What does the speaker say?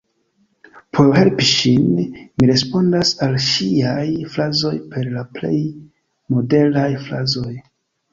Por helpi ŝin, mi respondas al ŝiaj frazoj per la plej modelaj frazoj.